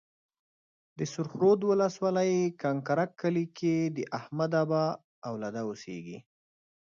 د سرخ رود ولسوالۍ کنکرک کلي کې د احمدآبا اولاده اوسيږي.